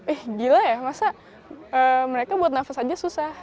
eh gila ya masa mereka buat nafas aja susah